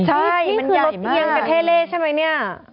ใช่นี่คือรถเพียงกระเท่เล่ใช่ไหมเนี่ย